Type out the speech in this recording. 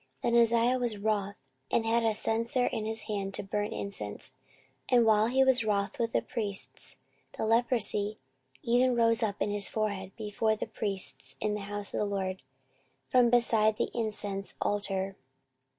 14:026:019 Then Uzziah was wroth, and had a censer in his hand to burn incense: and while he was wroth with the priests, the leprosy even rose up in his forehead before the priests in the house of the LORD, from beside the incense altar.